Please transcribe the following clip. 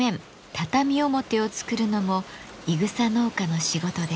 畳表を作るのもいぐさ農家の仕事です。